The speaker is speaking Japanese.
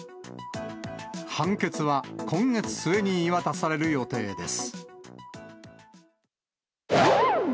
判決は今月末に言い渡される予定です。